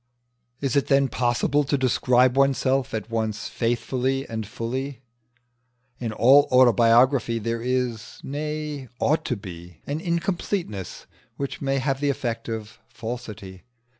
Is it then possible to describe oneself at once faithfully and fully? In all autobiography there is, nay, ought to be, an incompleteness which may have the effect of falsity.